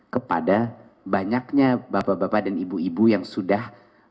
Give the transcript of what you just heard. kepada banyaknya bapak bapak dan ibu ibu yang sudah